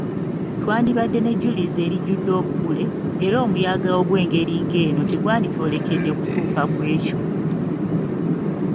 Twandibadde nejjulizo erijjudde obugule, era omuyaga ogw'engeri eno tegwanditwolekedde kutuuka ku ekyo.